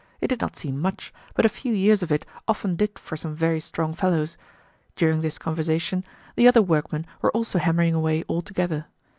It did not seem much, but a few years of it often did for some very strong fellows. During this conversation the other workmen were also hammering away all together.